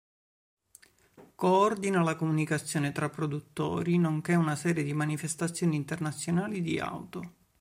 Coordina la comunicazione tra produttori, nonché una serie di manifestazioni internazionali di auto.